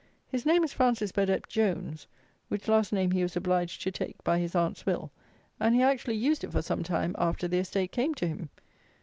His name is Francis Burdett Jones, which last name he was obliged to take by his Aunt's will; and he actually used it for some time after the estate came to him!